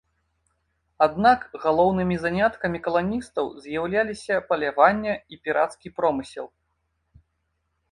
Аднак галоўнымі заняткамі каланістаў з'яўляліся паляванне і пірацкі промысел.